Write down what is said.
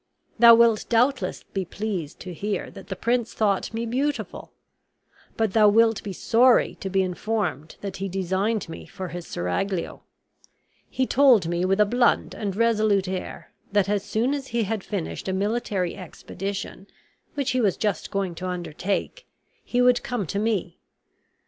Thou wilt doubtless be pleased to hear that the prince thought me beautiful; but thou wilt be sorry to be informed that he designed me for his seraglio. He told me, with a blunt and resolute air, that as soon as he had finished a military expedition, which he was just going to undertake, he would come to me.